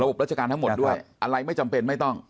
บราชการทั้งหมดด้วยอะไรไม่จำเป็นไม่ต้อง